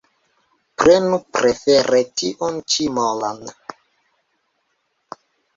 Prenu prefere tiun ĉi molan